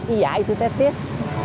iya itu tetis